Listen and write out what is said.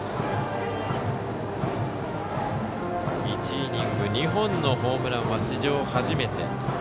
１イニング２本のホームランは史上初めて。